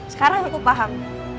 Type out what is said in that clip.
sekarang aku paham